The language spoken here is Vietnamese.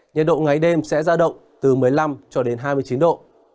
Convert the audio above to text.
nhiệt độ ngày đêm sẽ ra động từ một mươi năm cho đến hai mươi chín độ